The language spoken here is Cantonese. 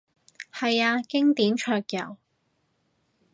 係啊，經典桌遊